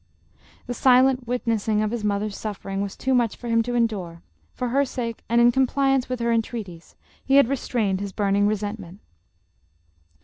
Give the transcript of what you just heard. The silent witnessing of his moth er's suffering was too much for him to endure ; for her sake and in compliance with her entreaties, he had re strained his burning resentment.